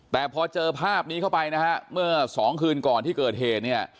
แต่พอเจอภาพนี้เข้าไปนะฮะเมื่อสองคืนก่อนที่เกิดเหตุเนี่ย